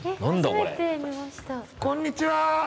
こんにちは。